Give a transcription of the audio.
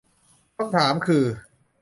คำถามคือ